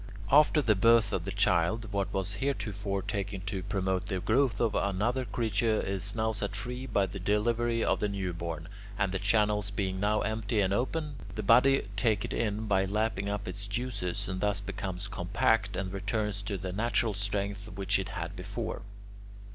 After the birth of the child, what was heretofore taken to promote the growth of another creature is now set free by the delivery of the newborn, and the channels being now empty and open, the body will take it in by lapping up its juices, and thus becomes compact and returns to the natural strength which it had before.